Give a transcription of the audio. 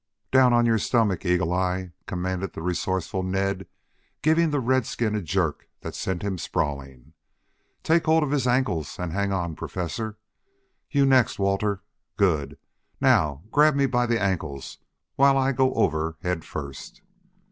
"Down on your stomach, Eagle eye!" commanded the resourceful Ned, giving the redskin a jerk that sent him sprawling. "Take hold of his ankles and hang on, Professor. You next, Walter. Good. Now grab me by the ankles, while I go over head first."